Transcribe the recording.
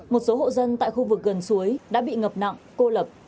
một số hộ dân tại khu vực gần suối đã bị ngập nặng cô lập